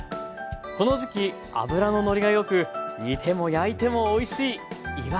この時期脂ののりがよく煮ても焼いてもおいしいいわし。